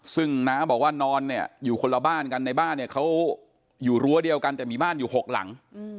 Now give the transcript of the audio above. ซึ่งน้าบอกว่านอนเนี่ยอยู่คนละบ้านกันในบ้านเนี่ยเขาอยู่รั้วเดียวกันแต่มีบ้านอยู่๖หลัง